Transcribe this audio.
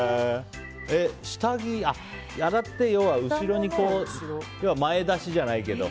下着洗って後ろに要は前出しじゃないけど。